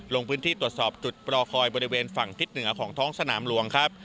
ลงพื้นที่ตรวจสอบจุดรอคอยบริเวณฝั่งทิศเหนือของท้องสนามหลวงครับ